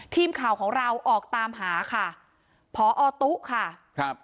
ทีมข่าวของเราออกตามหาค่ะพอตุ๊ค่ะครับ